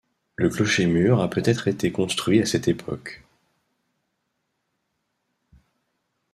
Le clocher-mur a peut-être été construit à cette époque.